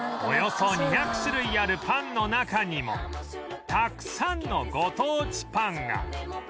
およそ２００種類あるパンの中にもたくさんのご当地パンが